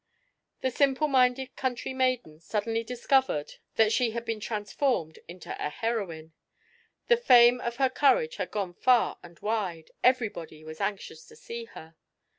The simple minded country maiden suddenly discovered that she had been transformed into a heroine. The fame of her courage had gone far and wide; everybody was anxious to see her.